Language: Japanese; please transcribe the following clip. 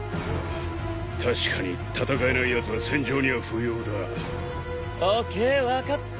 確かに戦えないやつは戦場には不要だ。ＯＫ分かった。